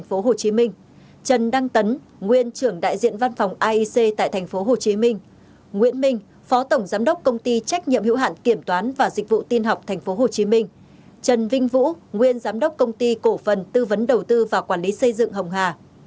nguyễn minh phó tổng giám đốc công ty trách nhiệm hiệu hạn kiểm toán và dịch vụ tin học tp hcm trần đăng tấn nguyên trưởng đại diện văn phòng aic tại tp hcm nguyễn minh phó tổng giám đốc công ty trách nhiệm hiệu hạn kiểm toán và dịch vụ tin học tp hcm trần vinh vũ nguyên giám đốc công ty cổ phần tư vấn đầu tư và quản lý xây dựng hồng hà